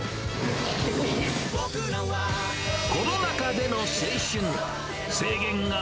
コロナ禍での青春。